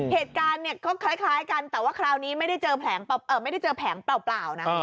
เหตุการณ์ก็คล้ายกันแต่ว่าคราวนี้ไม่ได้เจอแผงเปล่านะ